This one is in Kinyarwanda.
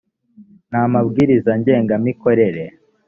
n amabwiriza ngenga mikorere